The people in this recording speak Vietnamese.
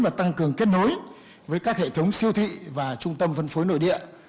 và tăng cường kết nối với các hệ thống siêu thị và trung tâm phân phối nội địa